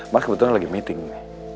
mas kebetulan lagi meeting nih